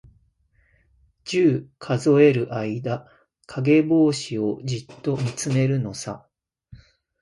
十、数える間、かげぼうしをじっとみつめるのさ。